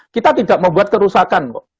kita tidak membuat kerusakan